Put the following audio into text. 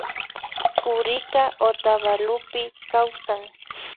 Kurika Otavalopi kawsan